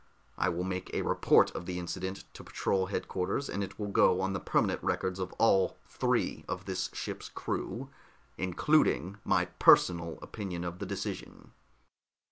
I will make a report of the incident to patrol headquarters, and it will go on the permanent records of all three of this ship's crew including my personal opinion of the decision."